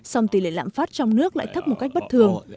song tỷ lệ lạm phát trong nước lại thấp một cách bất thường